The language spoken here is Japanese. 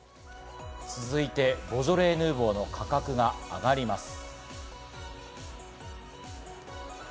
続いて、ボジョレ・ヌーボーの価格が上がります。